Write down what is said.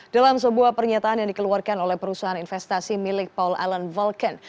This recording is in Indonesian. dalam sebuah pernyataan yang dikeluarkan oleh perusahaan investasi milik paul allen vulkan